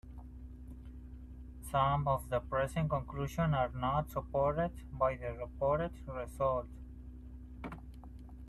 Some of the presented conclusions are not supported by the reported results.